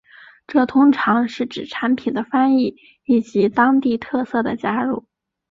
这通常是指产品的翻译以及当地特色的加入。